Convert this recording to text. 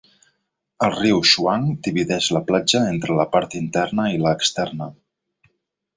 El riu Shuang divideix la platja entre la part interna i la externa.